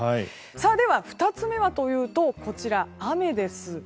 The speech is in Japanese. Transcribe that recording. では、２つ目はというと雨です。